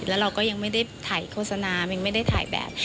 แล้วเราก็ยังไม่ได้ถ่ายโฆษณายังไม่ได้ถ่ายแบบ